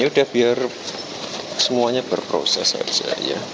yaudah biar semuanya berproses saja